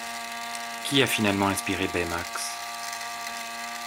Qui a finalement inspiré Baymax.